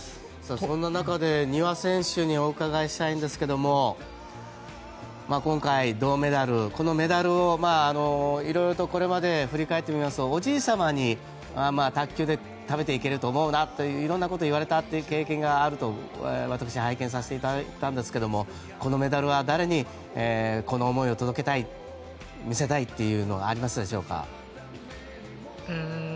そんな中で丹羽選手にお伺いしたいんですが今回、銅メダルこのメダルを色々とこれまでを振り返ってみますと、おじい様に卓球で食べていけると思うなとか色んなことを言われたという経験があると拝見させていただいたんですがこのメダルは誰にこの思いを届けたい見せたいというのがありますでしょうか。